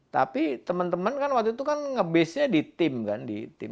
tapi teman teman kan waktu itu kan ngebasenya di tim kan di tim